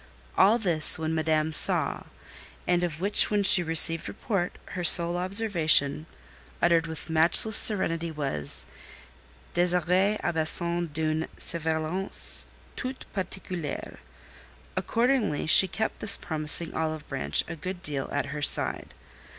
All this when Madame saw, and of which when she received report, her sole observation, uttered with matchless serenity, was: "Désirée a besoin d'une surveillance toute particulière." Accordingly she kept this promising olive branch a good deal at her side.